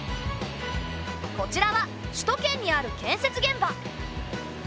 こちらは首都圏にある建設現場。